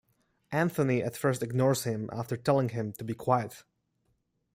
Anthony at first ignores him after telling him to be quiet.